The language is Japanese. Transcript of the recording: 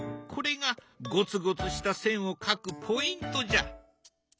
これがごつごつした線を描くポイントじゃ。